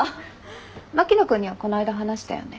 牧野君にはこないだ話したよね。